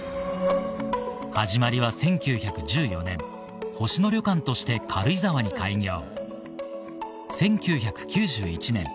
始まりは１９１４年星野旅館として軽井沢に開業